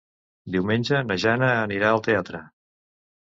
Diumenge na Jana anirà al teatre.